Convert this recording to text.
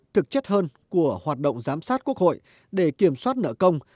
thực chất hơn của hoạt động giám sát quốc hội để kiểm soát nợ công